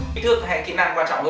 kích thước hay kỹ năng quan trọng hơn